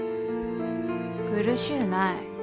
苦しうない。